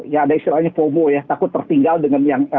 ya ada istilahnya fomo ya takut tertinggal dengan yang